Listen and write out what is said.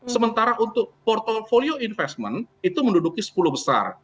sementara untuk portfolio investment itu menduduki sepuluh besar